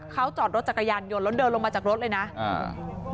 เขาจอดรถจักรยานยนต์แล้วเดินลงมาจากรถเลยนะอ่า